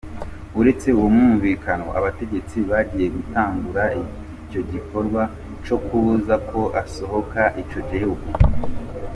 Uretse uwo mwumvikano, abategetsi bagiye gutangura igikorwa co kubuza ko asohoka ico gihugu.